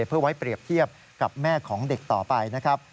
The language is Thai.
เพื่อไว้เปรียบเทียบกับแม่ของเด็กต่อไปนะครับ